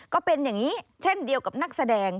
ก็เป็นอย่างนี้เช่นเดียวกับนักแสดง